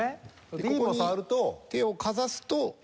ここに手をかざすと。